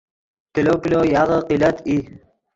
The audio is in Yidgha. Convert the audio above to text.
کلو کلو یاغے قلت ای